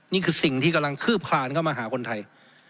นี่คือสิ่งที่กำลังคืบคลานเข้ามาหาคนไทย